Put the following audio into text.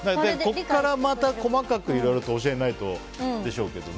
ここからまた細かくいろいろと教えないとでしょうけどね。